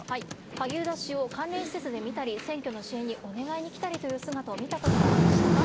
萩生田氏を関連施設で見たり、選挙の支援にお願いに来たりという姿を見たことはありましたか。